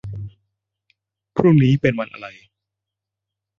พรุ่งนี้เป็นวันอะไร